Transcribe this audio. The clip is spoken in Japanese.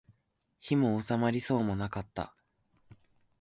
火も納まりそうもなかった